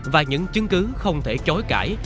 và những chứng cứ không thể chối cãi